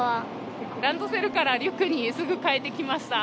ランドセルからリュックにすぐ変えてきました。